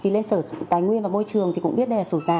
lên sở tài nguyên và môi trường cũng biết đây là sổ già